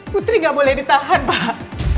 putri gak boleh ditahan pak